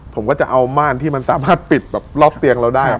ผมก็จะเอาม่านที่มันสามารถปิดแบบรอบเตียงเราได้